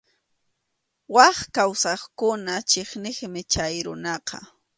Wak kawsaqkuna chiqniqmi chay runaqa.